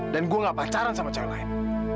dan gue gak pacaran sama cewek lain